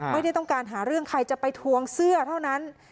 ไม่ได้ต้องการหาเรื่องใครจะไปทวงเสื้อเท่านั้น